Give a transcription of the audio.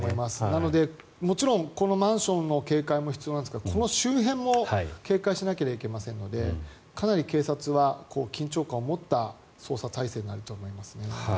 なので、もちろんこのマンションの警戒も必要なんですがこの周辺も警戒しなければいけませんのでかなり警察は緊張感を持った捜査態勢になると思います。